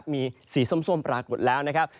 มีสีส้มปรากฏแล้วนะครับ